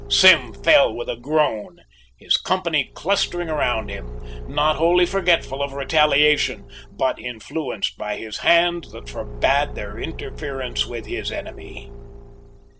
Sim fell with a groan, his company clustering round him, not wholly forgetful of retaliation, but influenced by his hand that forbade their interference with his enemy.